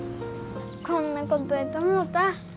こんなことやと思うた。